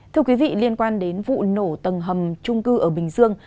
thưa quý vị liên quan đến vụ nổ tầng hầm trung cư ở bình dương